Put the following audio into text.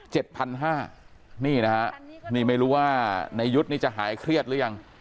นี่นะฮะนี่ไม่รู้ว่าในยุทธ์นี่จะหายเครียดหรือยัง